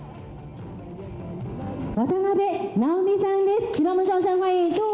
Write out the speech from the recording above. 渡辺直美さんです。